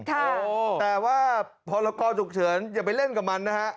แต่ว่าพรกรฉุกเฉินอย่าไปเล่นกับมันนะฮะ